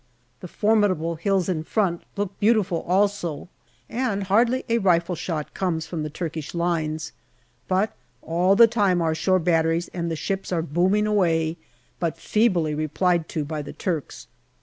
The formidable hills in front look beautiful also, and hardly a rifle shot comes from the Turkish lines. But all the time our shore batteries and the ships are booming away, but feebly replied to by the Turks.